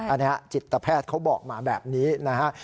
อันนี้จิตแพทย์เขาบอกมาแบบนี้นะฮะ